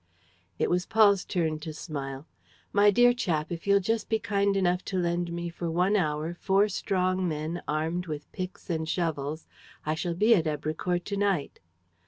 It was Paul's turn to smile: "My dear chap, if you'll just be kind enough to lend me for one hour four strong men armed with picks and shovels, I shall be at Èbrecourt to night."